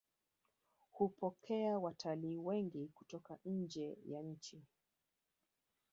hupokea watalii wengi kutoka njee ya nchi